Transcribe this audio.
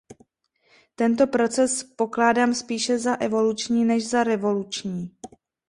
Tento proces pokládám spíše za evoluční než za revoluční.